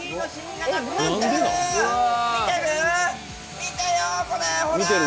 見てよほら。